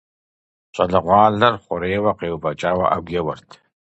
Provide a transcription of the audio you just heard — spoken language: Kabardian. ЩӀалэгъуалэр хъурейуэ къеувэкӀауэ Ӏэгу еуэрт.